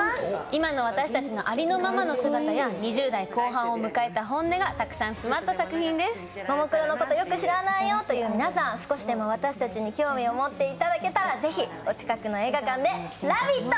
今の私たちのありのままの姿や２０代後半を迎えた本音がももクロのことよく知らないという皆さん、少しでも私たちに興味を持っていただけたらぜひお近くの映画館で「ラヴィット！」